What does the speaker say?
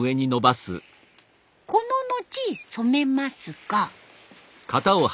この後染めますが。